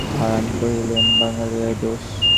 হারান কহিলেন, বাঙালিরই দোষ।